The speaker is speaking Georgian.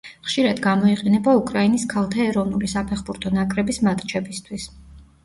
ხშირად გამოიყენება უკრაინის ქალთა ეროვნული საფეხბურთო ნაკრების მატჩებისთვის.